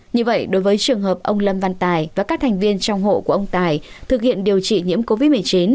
như vậy đối với trường hợp ông lâm văn tài và các thành viên trong hộ của ông tài thực hiện điều trị nhiễm covid một mươi chín